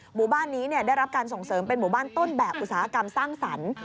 หมู่บ้านนี้ได้รับการส่งเสริมเป็นหมู่บ้านต้นแบบอุตสาหกรรมสร้างสรรค์